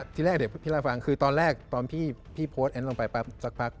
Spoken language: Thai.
ที่แรกเดี๋ยวพี่รักฟังคือตอนแรกตอนพี่โพสต์แอนด์ลงไปปั๊บสักพัก